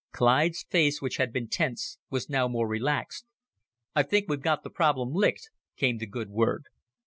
Clyde's face, which had been tense, was now more relaxed. "I think we've got the problem licked," came the good word.